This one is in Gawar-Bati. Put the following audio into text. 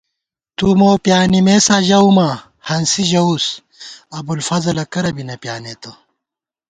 تُو مو پیانِمېسا ژَؤماں ہنسی ژَوُس ابُوالفضَلہ کرہ بی نہ پیانېتہ